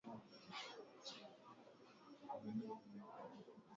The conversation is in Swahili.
choma mkate kwa dakika kumi hadi kumi na tano